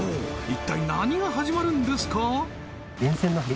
一体何が始まるんですか？